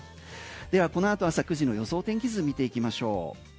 ではこのあと朝９時の予想天気図見ていきましょう。